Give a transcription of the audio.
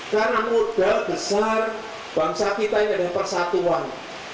karena modal besar bangsa kita yang ada persatuan